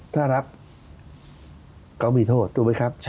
ถ้ารับก็มีโทษถูกไหมครับ